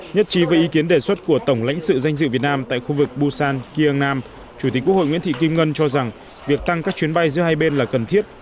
nhất trí với ý kiến đề xuất của tổng lãnh sự danh dự việt nam tại khu vực busan kieng nam chủ tịch quốc hội nguyễn thị kim ngân cho rằng việc tăng các chuyến bay giữa hai bên là cần thiết